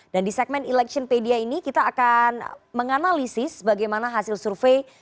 dan di segmen electionpedia ini kita akan menganalisis bagaimana hasil survei